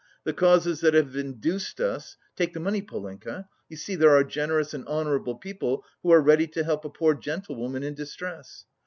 "The causes that have induced us (take the money, Polenka: you see there are generous and honourable people who are ready to help a poor gentlewoman in distress).